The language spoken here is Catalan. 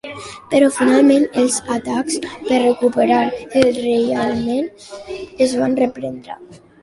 Però finalment els atacs per recuperar el reialme es van reprendre.